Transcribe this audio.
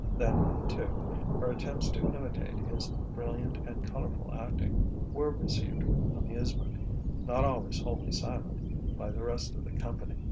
Then, too, her attempts to imitate his brilliant and colourful acting were received with amusement, not always wholly silent, by the rest of the company.